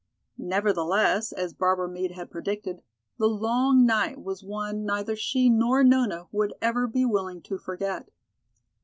Nevertheless, as Barbara Meade had predicted, the long night was one neither she nor Nona would ever be willing to forget.